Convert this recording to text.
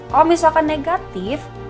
kalau misalkan negatif